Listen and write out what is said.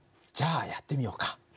じゃあやってみようか。